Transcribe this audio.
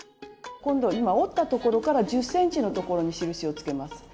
今度今折ったところから１０ｃｍのところに印をつけます。